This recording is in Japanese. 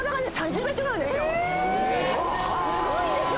え⁉すごいんですよ！